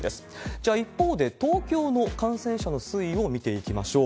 じゃあ、一方で東京の感染者の推移を見ていきましょう。